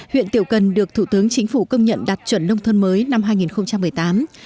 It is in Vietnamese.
huyện tiểu cần được thủ tướng chính phủ công nhận đạt chuẩn nông thôn mới năm hai nghìn một mươi tám